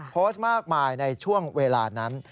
โพสต์มากมายในช่วงเวลานั้น